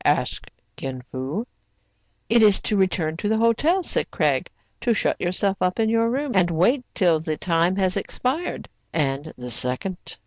asked Kin Fo. "It is to return to the hotel,'* said Craig, "to shut yourself up in your room, and wait till the time has expired. "And the second?